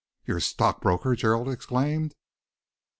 "Your stockbroker!" Gerald exclaimed.